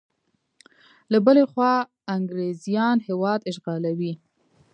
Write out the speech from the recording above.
له بلې خوا انګریزیان هیواد اشغالوي.